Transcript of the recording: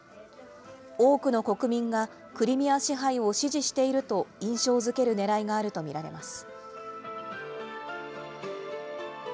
多くの国民が、クリミア支配を支持していると印象づけるねらいがあると見られます。